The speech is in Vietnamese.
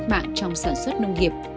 cách mạng trong sản xuất nông nghiệp